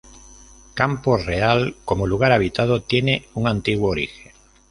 Campo Real, como lugar habitado, tiene un antiguo origen.